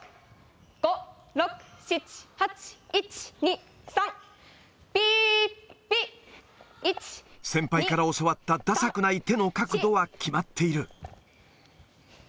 １、２、３、先輩から教わったださくない手の角度は決まっている。